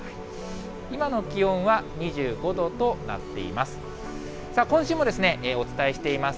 今の気温は２５度となっています。